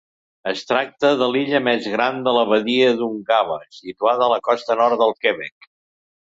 Es tracta de l'illa més gran de la badia d'Ungava, situada a la costa nord del Quebec.